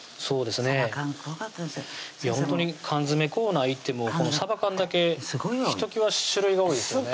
さば缶ほんとに缶詰コーナー行ってもさば缶だけひときわ種類が多いですね